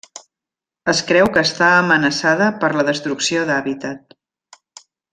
Es creu que està amenaçada per la destrucció d'hàbitat.